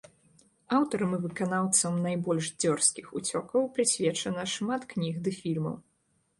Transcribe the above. Аўтарам і выканаўцам найбольш дзёрзкіх уцёкаў прысвечана шмат кніг ды фільмаў.